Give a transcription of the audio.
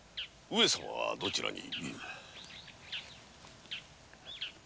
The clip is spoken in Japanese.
上様はどちらに？